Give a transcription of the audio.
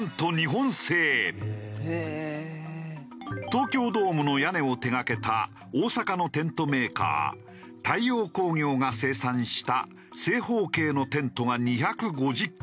東京ドームの屋根を手がけた大阪のテントメーカー太陽工業が生産した正方形のテントが２５０基。